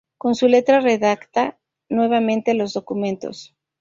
Con su letra redacta, nuevamente, los documentos.